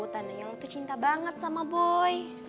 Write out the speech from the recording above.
tandanya lo tuh cinta banget sama boy